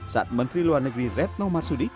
saat menteri luar negeri retno marsudi